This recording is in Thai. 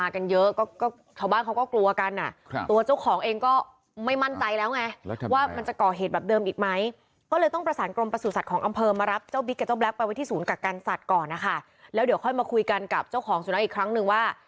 กับการสัตว์ก่อนนะคะแล้วเดี๋ยวค่อยมาคุยกันกับเจ้าของสุนัขอีกครั้งหนึ่งว่า